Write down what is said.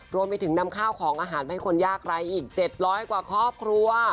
รวมไปถึงนำข้าวของอาหารให้คนยากไร้อีก๗๐๐กว่าครอบครัว